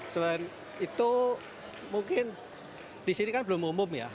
selain itu mungkin disini kan belum umum ya